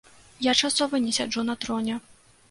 Я часова не сяджу на троне.